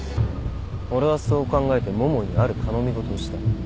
俺はそう考えて桃井にある頼み事をした。